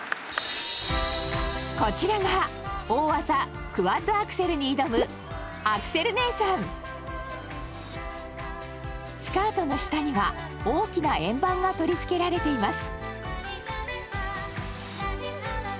こちらが大技クワッドアクセルに挑むスカートの下には大きな円盤が取り付けられています。